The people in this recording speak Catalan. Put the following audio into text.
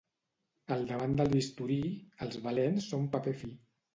Al davant del bisturí, els valents són paper fi.